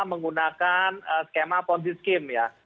menggunakan skema ponzi scheme ya